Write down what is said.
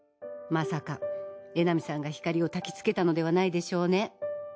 まさか江波さんがひかりをたきつけたのではないでしょうね？